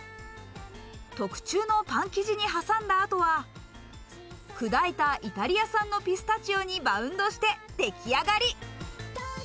特注のパン生地に挟んだ後は、砕いたイタリア産のピスタチオにバウンドして出来上がり。